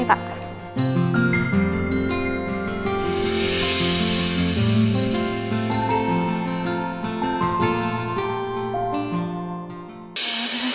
silahkan sini pak